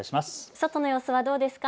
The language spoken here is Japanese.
外の様子はどうですか。